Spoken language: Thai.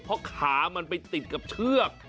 เพราะขามันไปติดกับเชือก